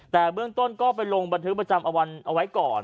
แต่เบื้องต้นก็ไปลงบันทึกประจำวันเอาไว้ก่อน